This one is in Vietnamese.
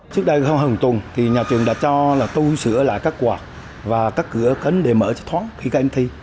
trước đây không hơn một tuần thì nhà trường đã cho là tôi sửa lại các quạt và các cửa kến để mở cho thoáng khi các em thi